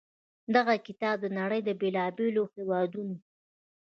دغه کتاب د نړۍ د بېلا بېلو هېوادونو